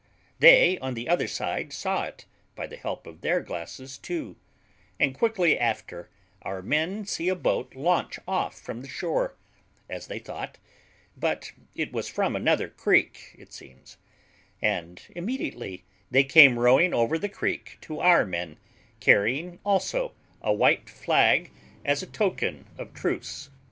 They on the other side saw it, by the help of their glasses, too, and quickly after our men see a boat launch off from the shore, as they thought, but it was from another creek, it seems; and immediately they came rowing over the creek to our men, carrying also a white flag as a token of truce.